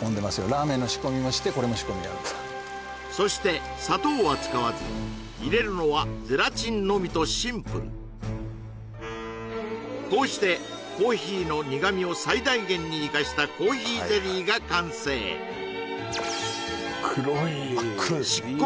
ラーメンの仕込みもしてこれも仕込みやるんですからそして砂糖は使わず入れるのはゼラチンのみとシンプルこうしてコーヒーの苦味を最大限に生かしたコーヒーゼリーが完成黒い真っ黒ですね